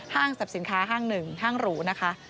ห้างสับสินค้าห้างหนึ่งห้างหรูนะคะ